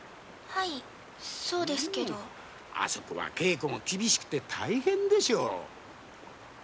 はいそうですけど。あそこは稽古も厳しくて大変でしょう？